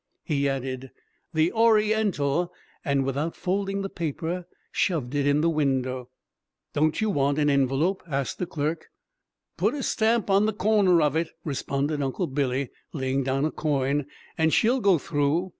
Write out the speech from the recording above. He added "The Oriental," and without folding the paper shoved it in the window. "Don't you want an envelope?" asked the clerk. "Put a stamp on the corner of it," responded Uncle Billy, laying down a coin, "and she'll go through."